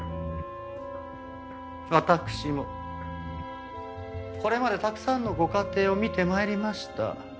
わたくしもこれまでたくさんのご家庭を見て参りました。